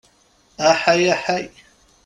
Aḥay aḥay!